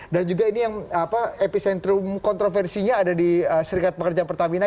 dan juga ini yang epicentrum kontroversinya ada di serikat pekerja pertamina